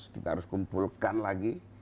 kita harus kumpulkan lagi